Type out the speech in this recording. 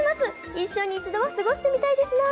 一生に一度は過ごしてみたいですな！